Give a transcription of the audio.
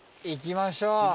行きましょう。